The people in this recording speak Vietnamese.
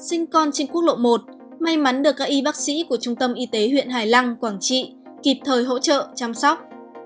sinh con trên quốc lộ một may mắn được các y bác sĩ của trung tâm y tế huyện hải lăng quảng trị kịp thời hỗ trợ chăm sóc